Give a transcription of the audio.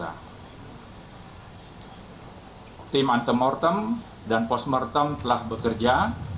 nah tim antemortem dan posmortem telah bekerja